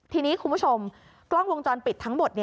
ทีนี้คุณผู้ชมกล้องวงจรปิดทั้งหมด